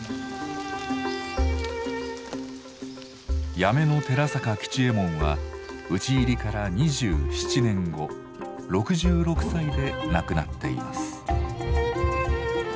八女の寺坂吉右衛門は討ち入りから２７年後６６歳で亡くなっています。